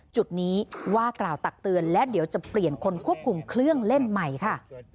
จุดนี้ว่ากล่าวตักเตือนและเดี๋ยวจะเปลี่ยนคนควบคุมเครื่องเล่นใหม่ค่ะ